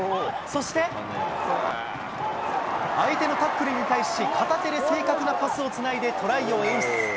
そして、相手のタックルに対し片手で正確なパスをつないでトライを演出。